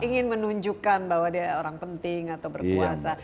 ingin menunjukkan bahwa dia orang penting atau berpuasa